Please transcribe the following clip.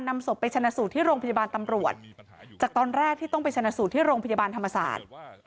นำศพไปชนะสูตรที่โรงพยาบาลตำรวจจากตอนแรกที่ต้องไปชนะสูตรที่โรงพยาบาลธรรมศาสตร์